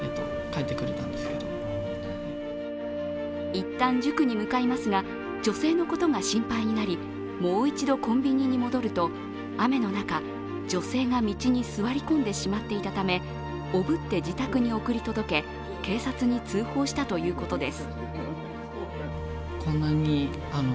一旦塾に向かいますが女性のことが心配になり、もう一度、コンビニに戻ると雨の中、女性が道に座り込んでしまっていたため、おぶって自宅に送り届け、警察に通報したということです。